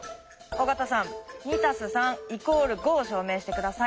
尾形さん「２＋３＝５」を証明して下さい。